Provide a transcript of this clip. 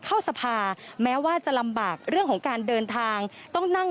เข้าสภาแม้ว่าจะลำบากเรื่องของการเดินทางต้องนั่ง